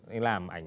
anh làm ảnh